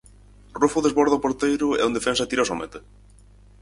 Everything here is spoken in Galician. Rufo desborda o porteiro e un defensa tira á súa meta.